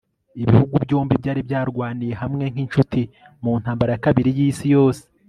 ibihugu byombi byari byarwaniye hamwe nk'inshuti mu ntambara ya kabiri y'isi yose